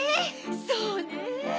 そうね。